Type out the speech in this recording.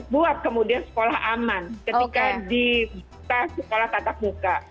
buat kemudian sekolah aman ketika dibuka sekolah tatap muka